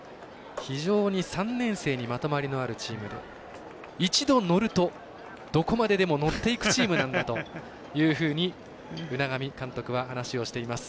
非常に３年生にまとまりのあるチームで一度乗ると、どこまででも乗っていくチームなんだというふうに海上監督は話をしています。